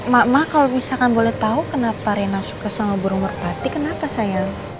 mah mah kalo misalkan boleh tau kenapa rena suka sama burung merpati kenapa sayang